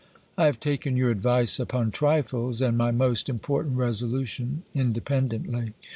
I have taken your advice upon trifles, and my most important resolution independently.